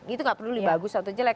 itu gak peduli bagus atau jelek